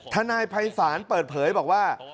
นายภัยศาลเปิดเผยบอกว่า